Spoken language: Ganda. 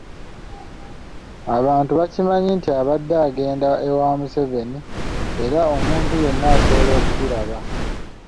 Abantu bakimanyi nti abadde agenda ewa Museveni era omuntu yenna asobola okukiraba.